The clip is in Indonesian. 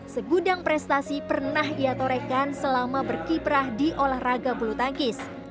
segudang prestasi pernah ia torehkan selama berkiprah di olahraga bulu tangkis